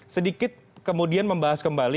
sedikit kemudian membahas kembali